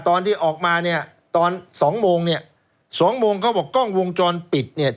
ตอนที่ออกมาเนี่ยตอนสองโมงเนี่ยสองโมงเขาบอกกล้องวงจรปิดเนี่ย